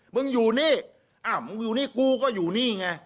มึงอยู่นี่อ้าวมึงอยู่นี่กูก็อยู่นี่ไง